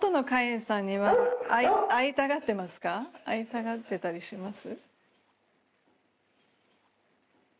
会いたがってたりします？